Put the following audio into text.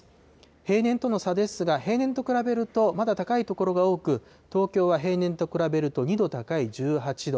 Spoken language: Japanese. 平年との差ですが、平年と比べると、まだ高い所が多く、東京は平年と比べると２度高い１８度。